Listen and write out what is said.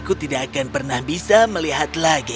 tapi apa yang kita miliki di sini adalah ini